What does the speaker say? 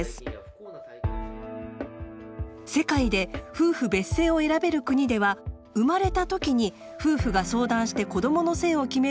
世界で夫婦別姓を選べる国では生まれた時に夫婦が相談して子どもの姓を決めるのがほとんど。